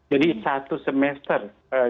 jadi satu semester